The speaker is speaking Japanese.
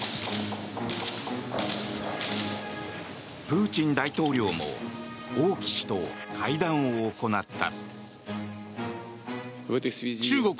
プーチン大統領も王毅氏と会談を行った。